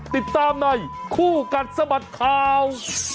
ติดตามในคู่กัดสะบัดข่าว